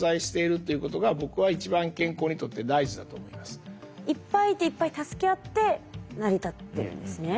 多様性のあるいっぱいいていっぱい助け合って成り立ってるんですね。